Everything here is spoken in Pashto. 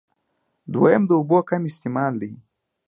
دويم د اوبو کم استعمال دی